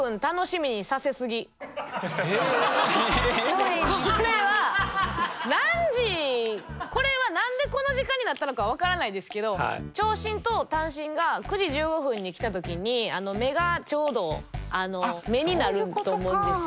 はい次の私のこれは何でこの時間になったのか分からないですけど長針と短針が９時１５分に来た時に目がちょうど目になると思うんですよ。